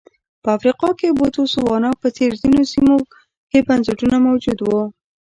په افریقا کې د بوتسوانا په څېر ځینو سیمو کې بنسټونه موجود وو.